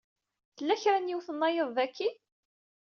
Tella kra n yiwet nnayeḍ daki?